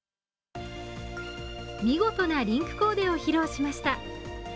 見事なリンクコーデを披露しました。